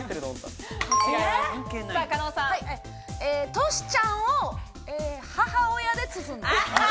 トシちゃんを母親で包んでる。